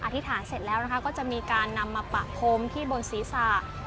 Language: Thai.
อธิษฐานเสร็จแล้วนะคะก็จะมีการนำมาปะพรมที่บนศีรษะ